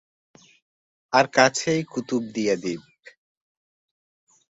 আর কাছেই কুতুবদিয়া দ্বীপ।